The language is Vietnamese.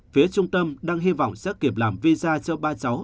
phía trung tâm đang hy vọng sẽ kịp làm visa cho ba cháu